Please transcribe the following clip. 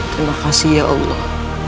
terima kasih ya allah